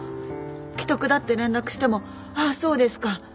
危篤だって連絡しても「ああそうですか」